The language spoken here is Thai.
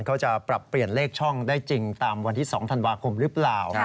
เขาจะปรับเปลี่ยนเลขช่องได้จริงตามวันที่๒ธันวาคมหรือเปล่า